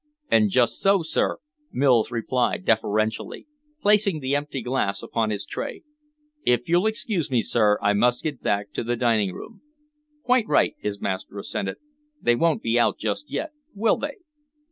"Just so, sir," Mills replied deferentially, placing the empty glass upon his tray. "If you'll excuse me, sir, I must get back to the dining room." "Quite right," his master assented. "They won't be out just yet, will they?"